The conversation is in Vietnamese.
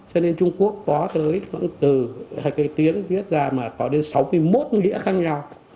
cho nên trung quốc có lợi ích khoảng từ hai cái tiếng viết ra mà có đến sáu mươi một nghĩa khác nhau